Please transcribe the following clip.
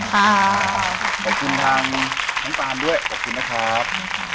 ขอบคุณทางน้องปานด้วยขอบคุณนะครับ